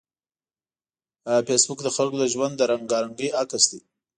فېسبوک د خلکو د ژوند د رنګارنګۍ عکس دی